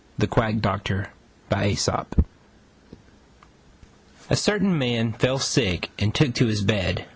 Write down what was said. THE QUACK DOCTOR A certain man fell sick and took to his bed.